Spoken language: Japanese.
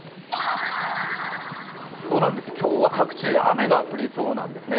そうなんです、今日は各地雨が降りそうなんですね。